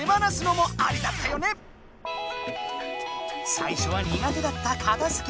さいしょは苦手だった片づけ。